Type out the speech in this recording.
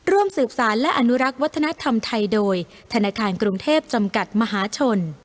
ลวดลายโดยธนาคารกรุงเทพฯจำกัดมหาชน